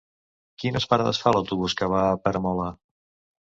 Quines parades fa l'autobús que va a Peramola?